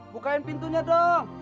bukain pintunya dong